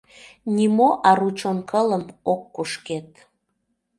Нимо ару чон кылым ок кушкед.